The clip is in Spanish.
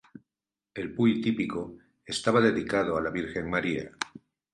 El puy típico estaba dedicado a la Virgen María.